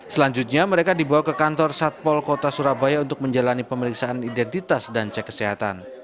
selanjutnya mereka dibawa ke kantor satpol kota surabaya untuk menjalani pemeriksaan identitas dan cek kesehatan